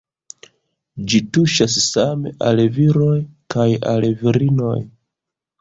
Ĝi tuŝas same al viroj kaj al virinoj.